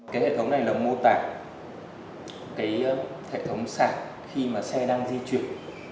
cái hệ thống này là mô tả cái hệ thống sạc khi mà xe đang di chuyển